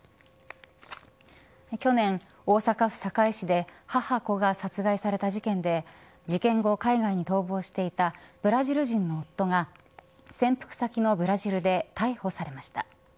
去年、大阪府堺市で母子が殺害された事件で事件後、海外に逃亡していたブラジル人の夫が潜伏先のブラジルで逮捕されました。